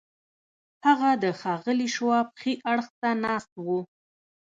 هغه د ښاغلي شواب ښي اړخ ته ناست و.